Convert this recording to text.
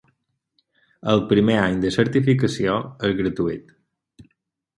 El primer any de certificació és gratuït.